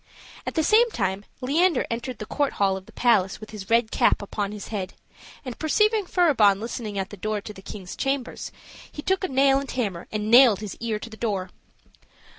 At the same time, Leander entered the court hall of the palace with his red cap upon his head, and perceiving Furibon listening at the door of the king's chamber, he took a nail and a hammer and nailed his ear to the door.